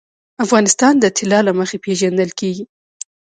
افغانستان د طلا له مخې پېژندل کېږي.